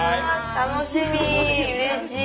楽しみうれしい。